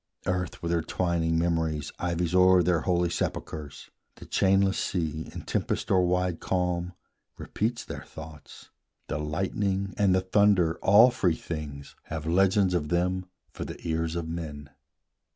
Earth with her twining memories ivies o'er Their holy sepulchres; the chainless sea, In tempest or wide calm, repeats their thoughts; The lightning and the thunder, all free things, Have legends of them for the ears of men.